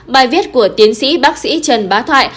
bài viết của tiến sĩ bác sĩ trần bá thoại